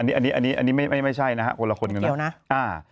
อันนี้อันนี้อันนี้ไม่ไม่ไม่ใช่นะฮะคนละคนเดี๋ยวนะอ่า